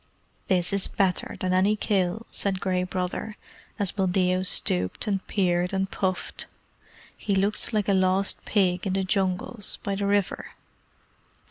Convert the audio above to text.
] "This is better than any kill," said Gray Brother, as Buldeo stooped and peered and puffed. "He looks like a lost pig in the Jungles by the river.